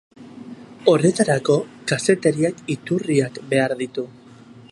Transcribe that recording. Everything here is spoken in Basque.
Horretarako kazetariak iturriak behar ditu.